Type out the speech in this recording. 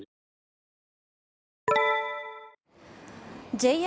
ＪＲ